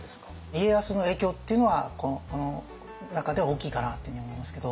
家康の影響っていうのはこの中では大きいかなっていうように思いますけど。